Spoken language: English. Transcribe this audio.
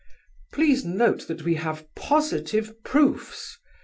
Please note that we have positive proofs!